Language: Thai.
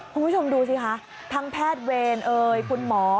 คุณผู้ชมดูสิคะทั้งแพทย์เวรเอ่ยคุณหมอ